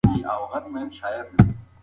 لوستې مور ماشوم له خطرناکو توکو ساتي.